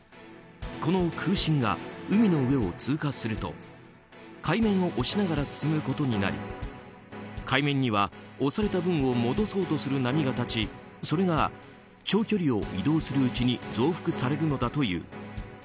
この空振が海の上を通過すると海面を押しながら進むことになり海面には押された分を戻そうとする波が立ちそれが長距離を移動するうちに増幅されるのだという。